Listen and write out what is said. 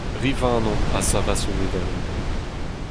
Rivanon a savas ivez da heul.